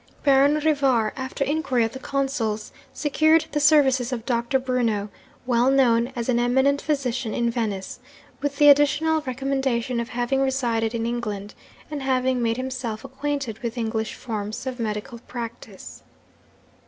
Baron Rivar, after inquiry at the consul's, secured the services of Doctor Bruno, well known as an eminent physician in Venice; with the additional recommendation of having resided in England, and having made himself acquainted with English forms of medical practice.